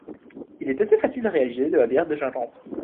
Il est assez facile de réaliser de la bière de gingembre.